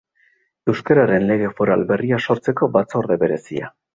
Euskararen Lege Foral berria sortzeko batzorde berezia.